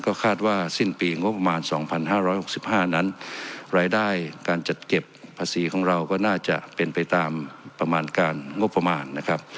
ก็คาดว่าสิ้นปีงบประมาณ๒๕๖๕นั้นรายได้การจัดเก็บภาษีของเราก็น่าจะเป็นไปตามประมาณการงบประมาณนะครับ